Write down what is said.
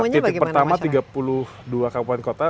titik pertama tiga puluh dua kabupaten kota